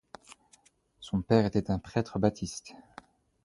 Son père était un prêtre baptiste.